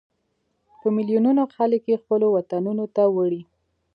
په ملیونونو خلک یې خپلو وطنونو ته وړي.